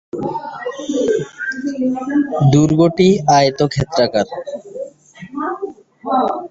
দুর্গটি আয়তক্ষেত্রাকার।